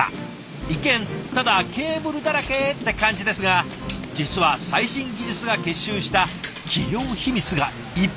一見ただケーブルだらけって感じですが実は最新技術が結集した企業秘密がいっぱいなんだそうです。